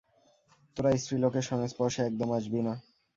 তোরা স্ত্রীলোকের সংস্পর্শে একদম আসবি না।